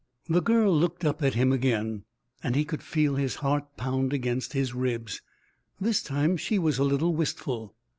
The girl looked up at him again, and he could feel his heart pound against his ribs. This time she was a little wistful.